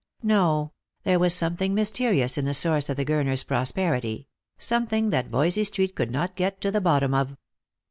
No; there was something mysterious in the source of the Gurners' prosperity — something that Voysey street could not get to the bottom of.